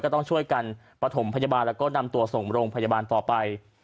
ต้องช่วยกันประถมพยาบาลแล้วก็นำตัวส่งโรงพยาบาลต่อไป